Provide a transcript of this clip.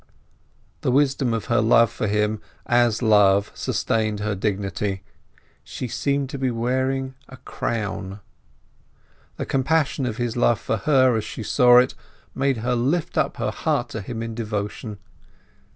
The wisdom of her love for him, as love, sustained her dignity; she seemed to be wearing a crown. The compassion of his love for her, as she saw it, made her lift up her heart to him in devotion.